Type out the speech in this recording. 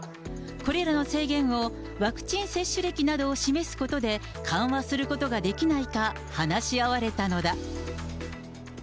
これらの制限をワクチン接種歴などを示すことで緩和することができないか、話し合われたのだ。